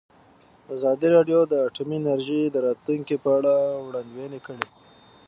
ازادي راډیو د اټومي انرژي د راتلونکې په اړه وړاندوینې کړې.